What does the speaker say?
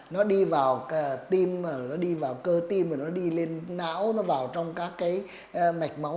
nó đi vào cơ tim nó đi lên não nó vào trong các mạch máu